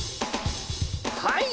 はい！